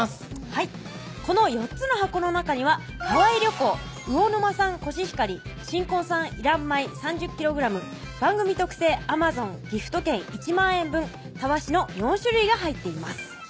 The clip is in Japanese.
はいこの４つの箱の中にはハワイ旅行・魚沼産コシヒカリ「新婚さんいらっ米」３０ｋｇ・番組特製Ａｍａｚｏｎギフト券１万円分・たわしの４種類が入っています